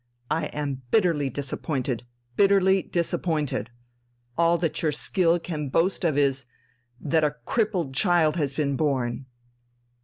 I am bitterly disappointed, bitterly disappointed. All that your skill can boast of is ... that a crippled child has been born...."